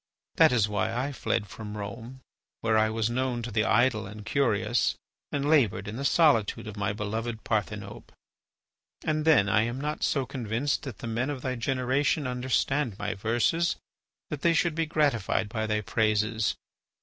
That is why I fled from Rome, where I was known to the idle and curious, and laboured in the solitude of my beloved Parthenope. And then I am not so convinced that the men of thy generation understand my verses that should be gratified by thy praises.